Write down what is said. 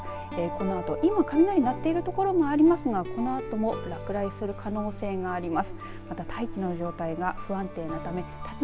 このあと今、雷鳴っている所もありますがこのあとも落雷する可能性があります。